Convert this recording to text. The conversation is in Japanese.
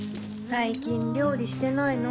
最近料理してないの？